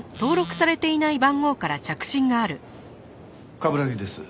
冠城です。